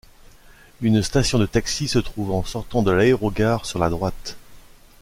Une station de taxi se trouve en sortant de l'aérogare sur la droite.